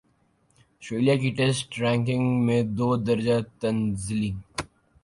Australia کی test ranking میں دو درجہ تنزلی